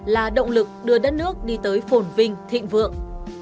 là động lực đưa đất nước đi tới phổn vinh thịnh vượng